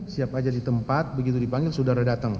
siap aja di tempat begitu dipanggil saudara datang